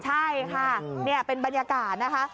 ใช่ค่ะนี่เป็นบรรยากาศนะคะ